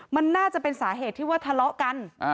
มันน่าจะเป็นสาเหตุที่ว่าทะเลาะกัน